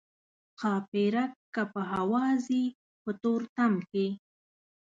ښاپیرک که په هوا ځي په تورتم کې.